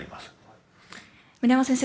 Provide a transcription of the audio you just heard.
村山先生